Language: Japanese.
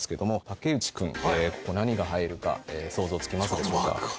竹内君ここ何が入るか想像つきますでしょうか？